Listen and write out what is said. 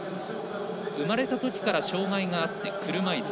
生まれたときから障がいがあって車いす。